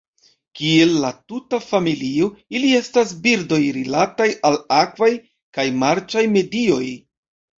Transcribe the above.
Kiel la tuta familio, ili estas birdoj rilataj al akvaj kaj marĉaj medioj.